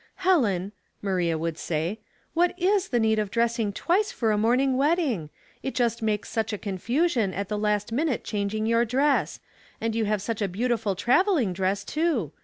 "Helen," Maria would say, "what is the need of dressing twice for a morning wedding? It just makes such a confusion, at the last minute changing your dress ; and you have such a beau tiful traveling dress, too.